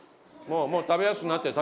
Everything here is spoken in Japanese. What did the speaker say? もう食べやすくなってる。